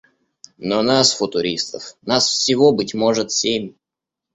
Но нас, футуристов, нас всего – быть может – семь.